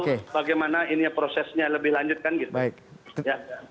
kan kita belum tahu bagaimana ini prosesnya lebih lanjut kan gitu